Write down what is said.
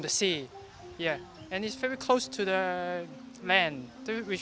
dan sangat dekat dengan tanah